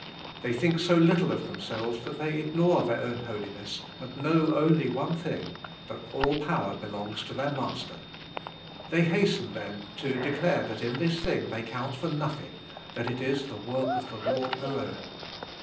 They think so little of themselves that they ignore llu ii own holiness and know only one thing, that all power helongs to their Master. Hiey hasten, then, to declare that in this thing they 'count for nothing, that it is the work of the Lord alone.